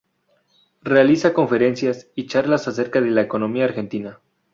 Realiza conferencias y charlas acerca de la economía argentina.